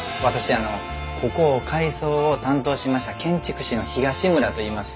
あのここを改装を担当しました建築士の東村といいます。